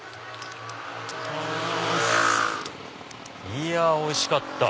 いやおいしかった。